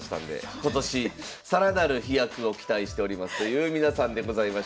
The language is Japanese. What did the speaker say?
今年更なる飛躍を期待しておりますという皆さんでございました。